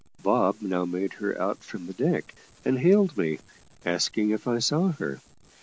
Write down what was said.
Bob now made her out from the deck, and hailed me, asking if I saw her.